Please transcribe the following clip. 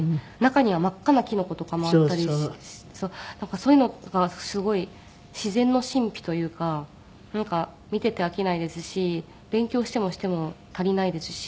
そういうのがすごい自然の神秘というかなんか見ていて飽きないですし勉強してもしても足りないですし。